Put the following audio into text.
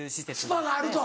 スパがあると。